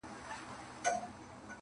او د تاوتريخوالي پر ضد خبري کوي-